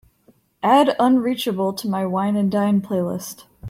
Add unreachable to my wine & dine playlist.